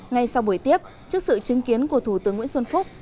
ngay sau buổi tiếp trước sự chứng kiến của thủ tướng nguyễn xuân phúc